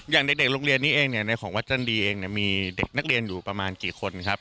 อย่างเด็กโรงเรียนนี้เองเนี่ยในของวัดจันดีเองมีเด็กนักเรียนอยู่ประมาณกี่คนครับ